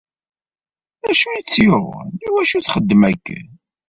Acu i tt-yuɣen? Iwacu txeddem akken?